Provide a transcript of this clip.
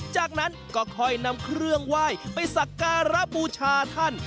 จากนั้นก็ค่อยนำเครื่องไหว้ไปสักการะบูชาท่าน